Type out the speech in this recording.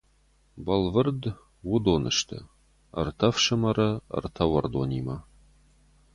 Бӕлвырд, уыдон сты — ӕртӕ ӕфсымӕры ӕртӕ уӕрдонимӕ.